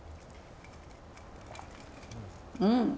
うん！